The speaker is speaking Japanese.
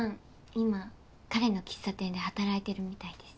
今彼の喫茶店で働いてるみたいです。